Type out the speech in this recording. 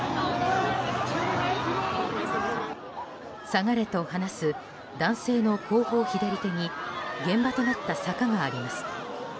下がれと話す男性の後方左手に現場となった坂があります。